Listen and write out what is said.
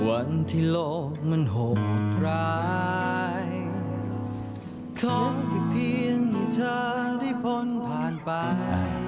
วันที่โลกมันห่มพร้ายขอให้เพียงเธอได้พ้นผ่านไป